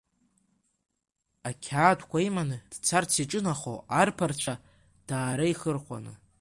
Ақьаадқәа иманы дцарц иҿынахо, арԥарцәа даареихырхәаны.